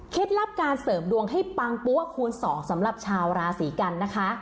ลับการเสริมดวงให้ปังปั้วคูณ๒สำหรับชาวราศีกันนะคะ